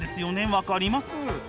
分かります。